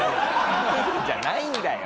じゃないんだよ！